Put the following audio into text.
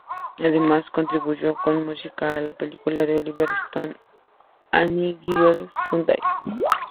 Además, contribuyó con música a la película de Oliver Stone "Any Given Sunday".